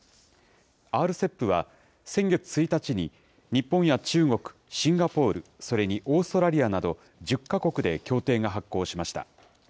ＲＣＥＰは、先月１日に、日本や中国、シンガポール、それにオーストラリアなど、１０か国で協定が発効しました。